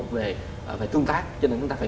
về tương tác cho nên chúng ta phải